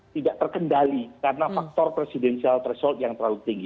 tidak terkendali karena faktor presidensial threshold yang terlalu tinggi